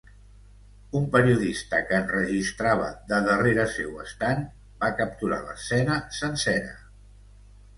Un periodista que enregistrava de darrere seu estant va capturar l’escena sencera.